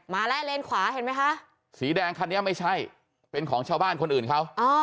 มาแล้วเลนขวาเห็นไหมคะสีแดงคันนี้ไม่ใช่เป็นของชาวบ้านคนอื่นเขา